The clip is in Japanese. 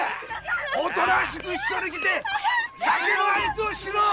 おとなしく一緒に来て酒の相手をしろ！